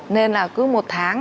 nên là cứ một tháng